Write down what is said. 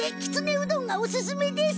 うどんがおすすめです。